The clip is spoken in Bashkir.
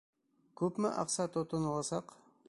Күпме аҡса тотоноласаҡ?